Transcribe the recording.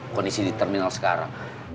kondisi di terminal sekarang